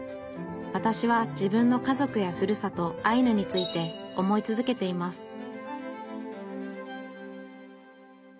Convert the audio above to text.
わたしは自分の家族やふるさとアイヌについて思い続けています